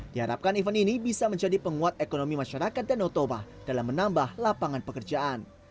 diharapkan event ini bisa menjadi penguat ekonomi masyarakat danau toba dalam menambah lapangan pekerjaan